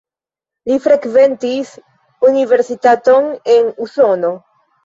Li frekventis universitaton en Usono.